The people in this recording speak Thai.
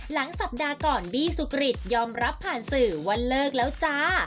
หลังสัปดาห์ก่อนบี้สุกริตยอมรับผ่านสื่อว่าเลิกแล้วจ้า